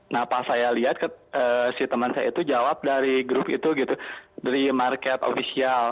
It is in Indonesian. nah pas saya lihat si teman saya itu jawab dari grup itu gitu dari market official